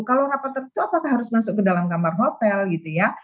kalau rapat tertutup apakah harus masuk ke dalam kamar hotel gitu ya